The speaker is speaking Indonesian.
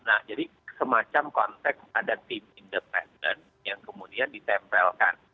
nah jadi semacam konteks ada tim independen yang kemudian ditempelkan